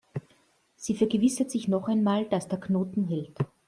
Sie vergewissert sich noch einmal, dass der Knoten hält.